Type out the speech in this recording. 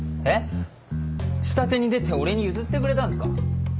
えっ下手に出て俺に譲ってくれたんですか！